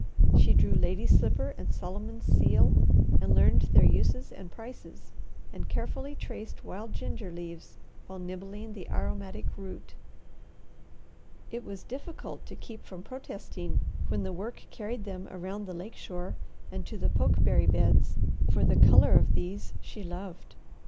She drew lady's slipper and Solomon's seal, and learned their uses and prices; and carefully traced wild ginger leaves while nibbling the aromatic root. It was difficult to keep from protesting when the work carried them around the lake shore and to the pokeberry beds, for the colour of these she loved.